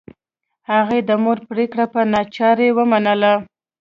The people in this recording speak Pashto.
هغې د مور پریکړه په ناچارۍ ومنله